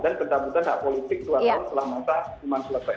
dan pentamputan hak politik dua tahun selama lima bulan selesai